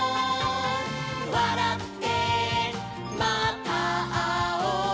「わらってまたあおう」